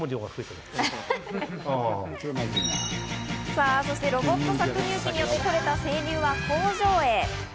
さあ、そしてロボット搾乳機によって絞られた牛乳は、工場へ。